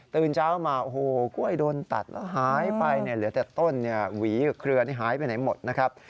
ตื่นเจ้ามากล้วยโดนตัดแล้วหายไปหลังจากต้นหวีเหลือเคลือนหายไปไหนหมดนะครับ